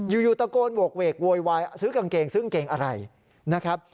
อยู่ตะโกนโหกเวกโวยวายซื้อกางเกงซื้อกางเกงอะไรนะครับ